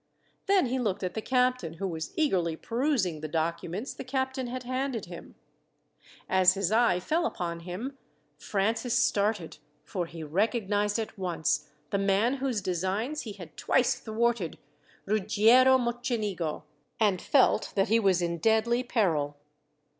Then he looked at the captain, who was eagerly perusing the documents the captain had handed him. As his eye fell upon him, Francis started, for he recognized at once the man whose designs he had twice thwarted, Ruggiero Mocenigo, and felt that he was in deadly peril.